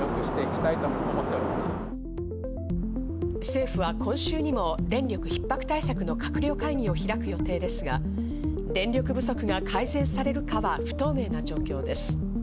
政府は今週にも電力逼迫対策の閣僚会議を開く予定ですが、電力不足が改善されるかは不透明な状況です。